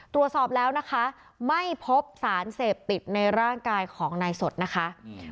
ตรวจสอบแล้วนะคะไม่พบสารเสพติดในร่างกายของนายสดนะคะ